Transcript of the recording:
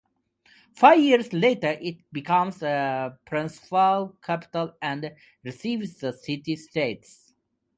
Five years later it became provincial capital and received the city status.